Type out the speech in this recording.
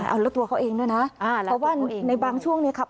เอาแล้วตัวเขาเองด้วยนะเพราะว่าในบางช่วงเนี่ยครับ